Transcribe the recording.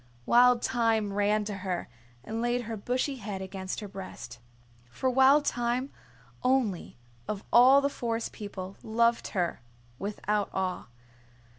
Wild Thyme ran to her and laid her bushy head against her breast. For Wild Thyme only of all the Forest People loved her without awe.